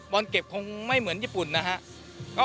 อนเก็บคงไม่เหมือนญี่ปุ่นนะครับ